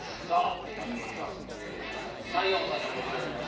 スタジオにクレーンゲームの達人タイヤ王さんにお越しいただきました。